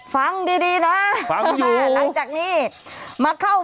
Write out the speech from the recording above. ฝังดีน้า